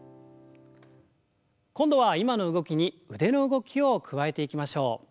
今度は今の動きに腕の動きを加えていきましょう。